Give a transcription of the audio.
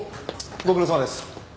ご苦労さまです。